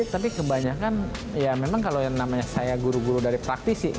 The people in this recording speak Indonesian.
tapi kebanyakan ya memang kalau yang namanya saya guru guru dari praktisi